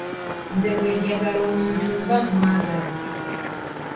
Nze bwe njagala omuntu mba mwagadde.